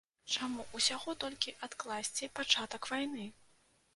Чаму ўсяго толькі адкласці пачатак вайны?